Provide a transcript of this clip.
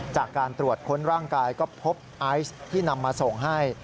จากการตรวจค้นร่างกายก็พบไอซ์ที่นำมาส่งให้